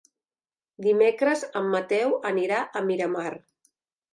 Dimecres en Mateu anirà a Miramar.